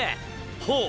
ほう！！